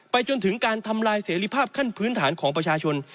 จนถึงการทำลายเสรีภาพขั้นพื้นฐานของประชาชน